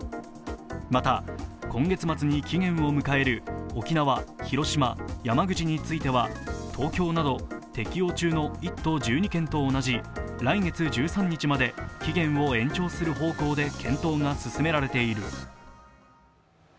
また、今月末に期限を迎える沖縄、広島、山口については、東京など適用中の１都１２県と同じ来月１３日まで期限を延長する方向で